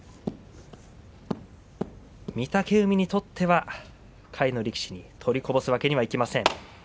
御嶽海にとっては下位の力士に取りこぼすわけにはいきません。